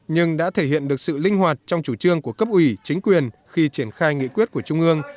nhưng đã thể hiện được sự linh hoạt trong chủ trương của cấp ủy chính quyền khi triển khai nghị quyết của trung ương